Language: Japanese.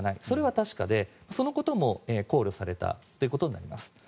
それは確かでそのことも考慮されたということになります。